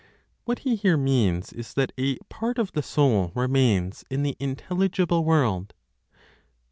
What he here means is that a part of the Soul remains in the intelligible world.